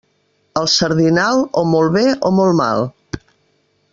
El sardinal, o molt bé o molt mal.